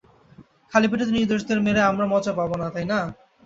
খালি পেটে তো নির্দোষদের মেরে আমরা মজা পাবো না, তাই না?